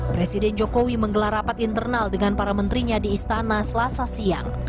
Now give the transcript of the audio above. presiden jokowi menggelar rapat internal dengan para menterinya di istana selasa siang